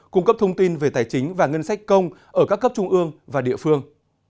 cung cấp thông tin về tài chính và ngân sách công ở các cấp trung ương và địa phương